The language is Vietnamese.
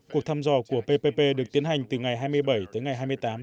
cuộc thăm dò của ppp được tiến hành từ ngày hai mươi bảy tới ngày hai mươi tám